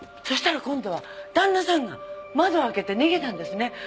そしたら今度は旦那さんが窓を開けて逃げたんですね。